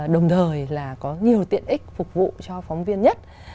đồng thời là có nhiều tiện ích phục vụ cho phóng viên nhất